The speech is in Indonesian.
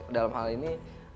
dalam hal ini kan